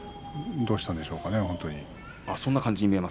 どうしたんでしょうかね。